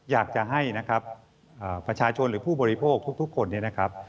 อยากจะให้นะครับประชาชนหรือผู้บริโภคทุกคนเนี่ยนะครับ